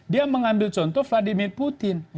dia mengambil contoh vladimir putin